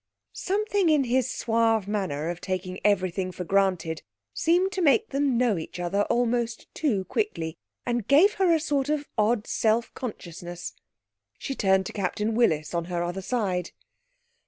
Something in his suave manner of taking everything for granted seemed to make them know each other almost too quickly, and gave her an odd sort of self consciousness. She turned to Captain Willis on her other side.